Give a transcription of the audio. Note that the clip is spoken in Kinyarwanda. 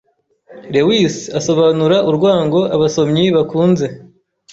Lewis asobanura urwango abasomyi bakunze